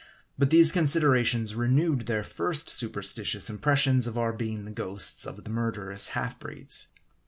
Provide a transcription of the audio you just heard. But these considerations renewed their first superstitious im pressions of our being the ghosts of the murderous half breeds.